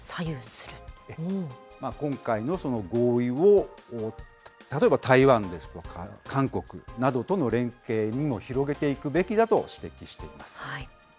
今回のその合意を、例えば台湾ですとか、韓国などとの連携にも広げていくべきだと指摘しています。